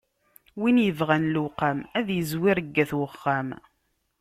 Win yebɣam luqam, ad yezwir deg wat uxxam.